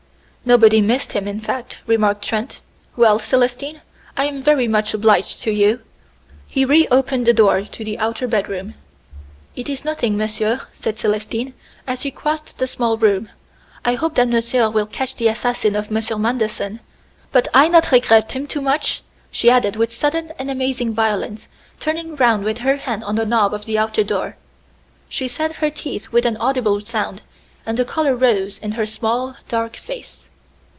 "Nobody missed him, in fact," remarked Trent. "Well, Célestine, I am very much obliged to you." He re opened the door to the outer bedroom. "It is nothing, monsieur," said Célestine, as she crossed the small room. "I hope that monsieur will catch the assassin of Monsieur Manderson.... But I not regret him too much," she added with sudden and amazing violence, turning round with her hand on the knob of the outer door. She set her teeth with an audible sound, and the color rose in her small, dark face.